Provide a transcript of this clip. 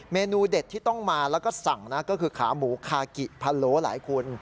เมนูเด็ดที่ต้องมาแล้วก็สั่งนะก็คือขาหมูคากิพะโล้หลายคุณ